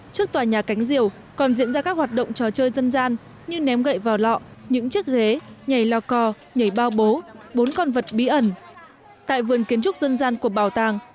sẽ diễn ra các hoạt động trò chơi dân gian như ném gậy vào lọ những chiếc ghế nhảy lo co nhảy bao bố